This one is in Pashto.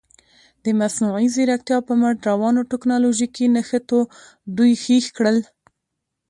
د مصنوعي زیرکتیا په مټ روانو تکنالوژیکي نښتو دوی هېښ کړل.